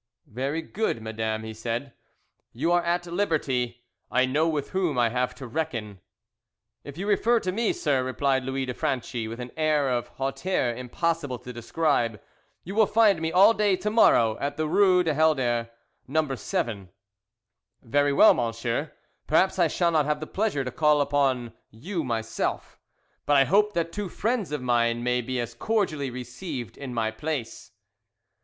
"Very good, madame," he said. "You are at liberty. I know with whom I have to reckon." "If you refer to me, sir," replied Louis de Franchi with an air of hauteur impossible to describe, "you will find me all day to morrow at the Rue du Helder, No. 7." "Very well, monsieur. Perhaps I shall not have the pleasure to call upon you myself, but I hope that two friends of mine may be as cordially received in my place."